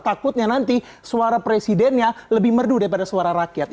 takutnya nanti suara presidennya lebih merdu daripada suara rakyat